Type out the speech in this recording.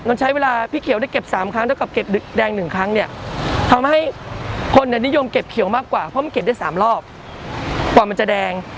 มันใช้เวลาพี่เขียวได้เก็บ๓ครั้งเท่ากับเก็บแดง๑ครั้งเนี่ยทำให้คนนิยมเก็บเขียวมากกว่าเพราะมันเก็บได้๓รอบกว่ามันจะแดง